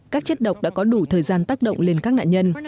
các chất độc đã có đủ thời gian tác động lên các nạn nhân